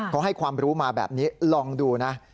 เขาให้ความรู้มาแบบนี้ลองดูนะ